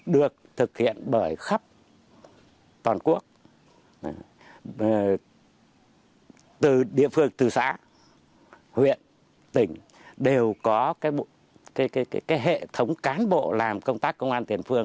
địa phương từ xã huyện tỉnh đều có hệ thống cán bộ làm công tác công an tiền phương